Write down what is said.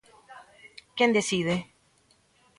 Quen decide?